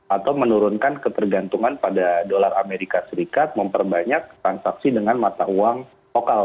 atau menurunkan ketergantungan pada dolar amerika serikat memperbanyak transaksi dengan mata uang lokal